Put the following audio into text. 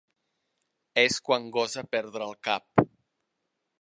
És quan gosa perdre el cap.